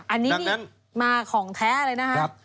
อันนี้นี่มาของแท้เลยนะครับ